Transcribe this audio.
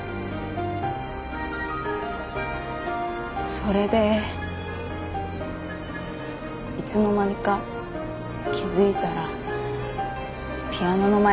それでいつの間にか気付いたらピアノの前にいた。